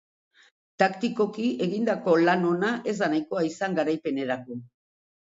Taktikoki egindako lan ona ez da nahikoa izan garaipenerako.